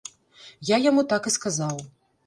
Я яму так і сказаў.